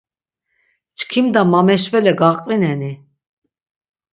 Çkimda mameşvele gaqvineni?